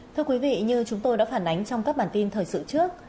thưa quý vị như chúng tôi đã phản ánh trong các bản tin thời sự trước